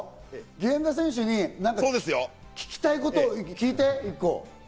源田選手に聞きたいこと聞いて！